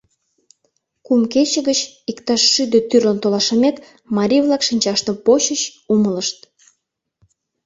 Кум кече гыч, иктаж шӱдӧ тӱрлын толашымек, марий-влак шинчаштым почыч, умылышт: